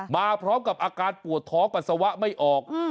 มาพร้อมกับอาการปวดท้องปัสสาวะไม่ออก